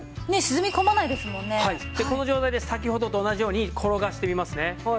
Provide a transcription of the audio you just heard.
この状態で先ほどと同じように転がしてみますね。